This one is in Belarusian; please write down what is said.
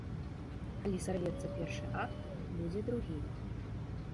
Калі сарвецца першы акт, будзе другі.